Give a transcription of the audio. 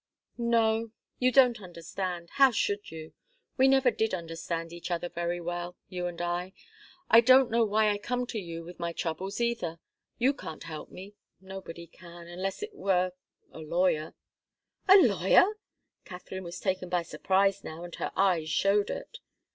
"No. You don't understand. How should you? We never did understand each other very well, you and I. I don't know why I come to you with my troubles, either. You can't help me. Nobody can unless it were a lawyer." "A lawyer?" Katharine was taken by surprise now, and her eyes showed it.